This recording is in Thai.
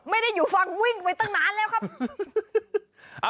ไม่ได้อยู่ฟังวิ่งไปตั้งนานแล้วครับ